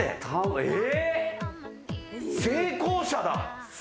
え、成功者だ！